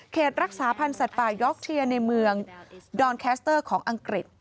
รักษาพันธ์สัตว์ป่ายอกเชียร์ในเมืองดอนแคสเตอร์ของอังกฤษ